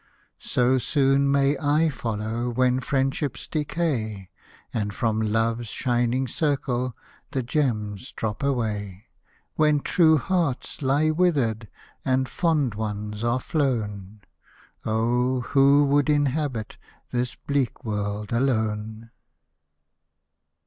So soon may / follow, When friendships decay, And from Love's shining circle The gems drop away. When true hearts lie withered, And fond ones are flown. Oh ! who would inhabit This bleak world alone